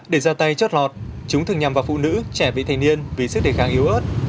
để ra tay chót lọt chúng thường nhằm vào phụ nữ trẻ vị thành niên vì sức đề kháng yếu ớt